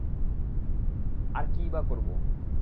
আর কীইবা করব?